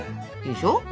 でしょ？